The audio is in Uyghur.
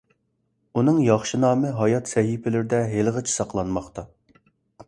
ئۇنىڭ ياخشى نامى ھايات سەھىپىلىرىدە ھېلىغىچە ساقلانماقتا.